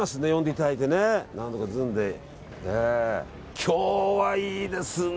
今日はいいですね。